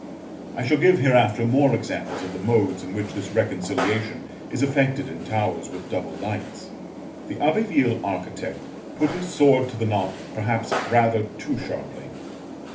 I shall give, hereafter, more examples of the modes in which this reconciliation is effected in towers with double lights: the Abbeville architect put his sword to the knot perhaps rather too sharply.